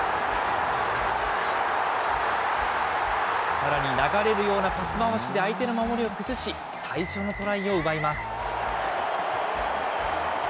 さらに流れるようなパス回しで相手の守りを崩し、最初のトライを奪います。